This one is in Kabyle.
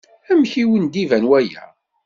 Amek i wen-d-iban waya?